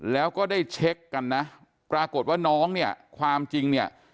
แล้วก็ได้เช็คกันนะปรากฏว่าน้องเนี่ยความจริงเนี่ย